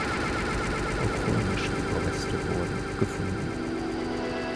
Auch römische Überreste wurden gefunden.